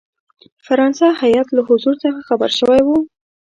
فرانسه هیات له حضور څخه خبر شوی وو.